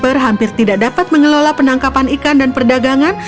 dan kasper hampir tidak dapat mengelola penangkapan ikan dan perdagangan